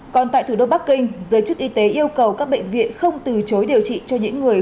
còn tại thủ đô bắc kinh giới chức y tế yêu cầu các bệnh viện không từ chối điều trị cho những người